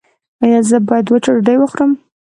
ایا زه باید وچه ډوډۍ وخورم؟